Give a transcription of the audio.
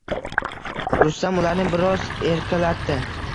Rustam ularni biroz erkalatdi